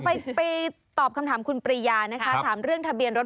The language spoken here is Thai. ไปตอบคำถามคุณปริญญาถามเรื่องทะเบียนรถ